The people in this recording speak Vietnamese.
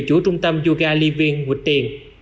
chủ trung tâm yoga living mụt tiền